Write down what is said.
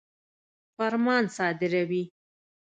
فرمان صادروي.